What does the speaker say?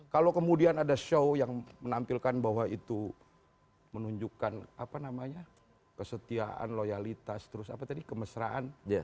kalau kemudian ada show yang menampilkan bahwa itu menunjukkan kesetiaan loyalitas kemesraan